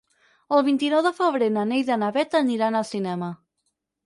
El vint-i-nou de febrer na Neida i na Bet aniran al cinema.